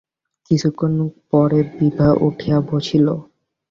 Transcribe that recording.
কিছুকণ পরে বিভা উঠিয়া বসিল।